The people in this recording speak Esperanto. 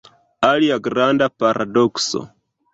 Alia granda paradokso.